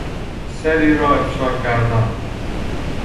سری را افشا کردن